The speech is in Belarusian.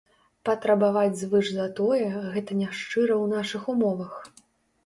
Патрабаваць звыш за тое, гэта няшчыра ў нашых умовах.